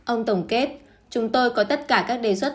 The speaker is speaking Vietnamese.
ông tổng kết chúng tôi có tất cả các đề xuất